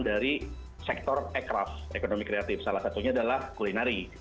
dari sektor ekonomi kreatif salah satunya adalah kulinary